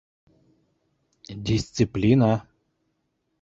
Дисциплина!